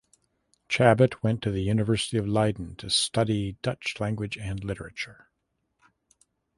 Chabot went to the University of Leiden to study Dutch language and literature.